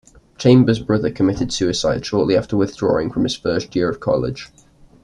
Chambers' brother committed suicide shortly after withdrawing from his first year of college.